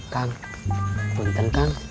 kang benteng kang